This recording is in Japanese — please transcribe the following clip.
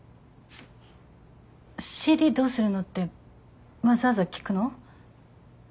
「ＣＤどうするの？」ってわざわざ聞くの？